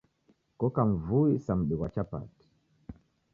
Koka mvui sa mudi ghwa chapati